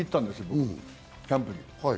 僕、キャンプに。